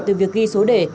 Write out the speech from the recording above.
từ việc ghi số đề